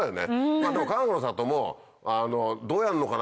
まぁでもかがくの里もどうやんのかな？